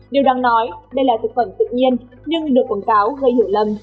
điều đáng nói đây là thực phẩm tự nhiên nhưng được quảng cáo gây hiểu lầm